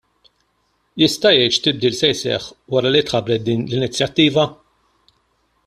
Jista' jgħid x'tibdil se jseħħ wara li tħabbret din l-inizjattiva?